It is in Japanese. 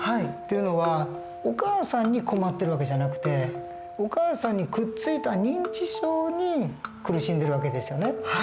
っていうのはお母さんに困ってる訳じゃなくてお母さんにくっついた認知症に苦しんでる訳ですよね。